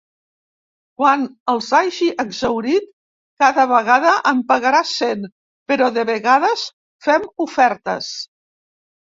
Quan els hagi exhaurit cada vegada en pagarà cent, però de vegades fem ofertes.